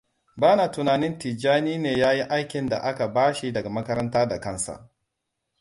Bana tunanin Tijjani ne ya yi aikin da aka bashi daga makaranta da kansa.